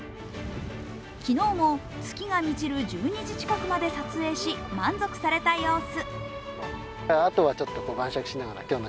昨日も月が満ちる１２時近くまで撮影し満足された様子。